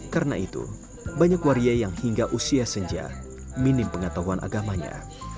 karena itu banyak waria yang hingga usia senja minim pengetahuan agamanya